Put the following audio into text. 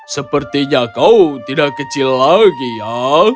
sepertinya kau tidak kecil lagi ya